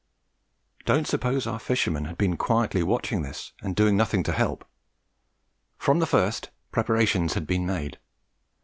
Don't suppose our fishermen had been quietly watching this and doing nothing to help. From the first, preparations had been made.